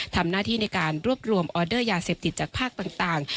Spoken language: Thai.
ทำหน้าที่ในการรวบรวมออเดอร์ยาเสพติดจากภาคต่าง